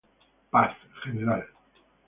Paz, Gral.